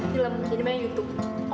film ini mah youtube